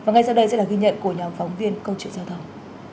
và ngay sau đây sẽ là ghi nhận của nhóm phóng viên câu chuyện giao thông